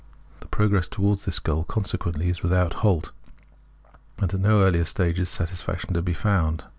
The progress towards this goal consequently is without a halt and at no earUer stage is satisfaction to be found.